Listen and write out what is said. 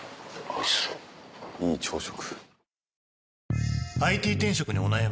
いい朝食。